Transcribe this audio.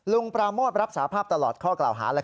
ลุงประโมทรัพย์รับสาภาพตลอดข้อกล่าวหานะครับ